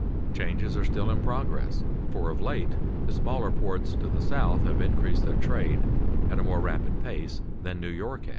Changes are still in progress, for of late the smaller ports to the south have increased their trade at a more rapid pace than New York has.